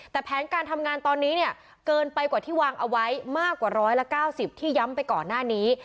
แต่แผนการทำงานตอนนี้เนี่ยเกินไปกว่าที่วางเอาไว้มากกว่า๑๙๐ที่ย้ำไปก่อนหน้านี้